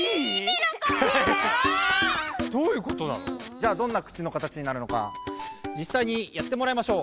じゃあどんな口の形になるのかじっさいにやってもらいましょう。